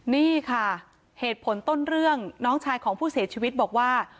นี่ค่ะเหตุผลต้นเรื่องน้องชายของผู้เสียชีวิตบอกว่า